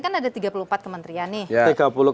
kan ada tiga puluh empat kementerian nih